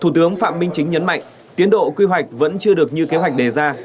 thủ tướng phạm minh chính nhấn mạnh tiến độ quy hoạch vẫn chưa được như kế hoạch đề ra